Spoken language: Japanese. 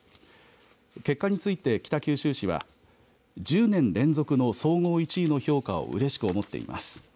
結果について、北九州市は１０年連続の総合１位の評価をうれしく思っています。